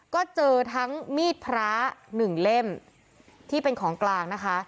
ก็เจอทั้งมีดพระหนึ่งเล่มที่เป็นของกลางนะคะ